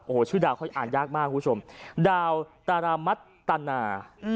โอ้โหชื่อเดาเขาอ่านยากมากครับคุณผู้ชมดาวตารมตน่า